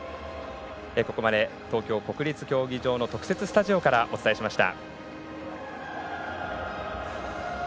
ここまで東京・国立競技場の特設スタジオからお伝えしました。